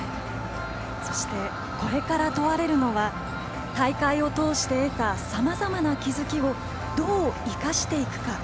そしてこれから問われるのは大会を通して得たさまざまな気付きをどう生かしていくか。